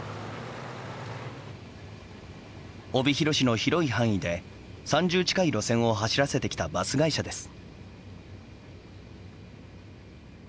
帯広市の広い範囲で３０近い路線を走らせてきたバス会社です。